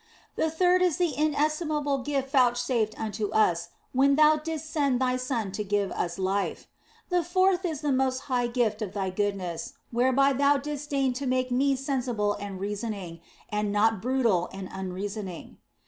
The third is the inestimable gift vouchsafed us when Thou didst send Thy Son to give us life. The fourth is the most high gift of Thy goodness, whereby OF FOLIGNO 257 Thou didst deign to make me sensible and reasoning, and not brutal and unreasoning.